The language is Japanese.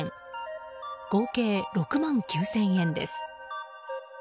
合計６万９０００円です。